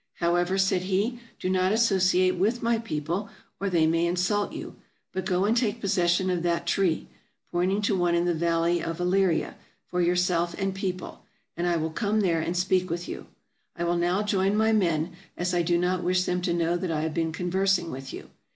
"However," said he, "do not associate with my people, or they may insult you, but go and take possession of that tree (pointing to one in the val ley of Ellyria) for yourself and people, and I will come there and speak with you. I will now join my men, as I do not wish them to know that I have been conversing with you."